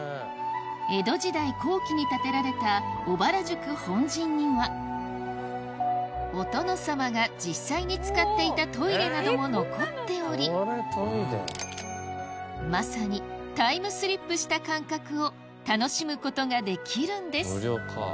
江戸時代後期に建てられた小原宿本陣には実際になども残っておりまさにタイムスリップした感覚を楽しむことができるんです